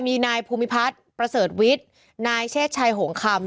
มีนายภูมิพัฒน์ประเสริฐวิทย์นายเชศชัยหงคำ